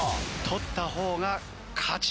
取った方が勝ち。